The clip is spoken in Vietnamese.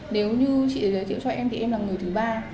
nếu như chị giới thiệu cho em thì em là người thứ ba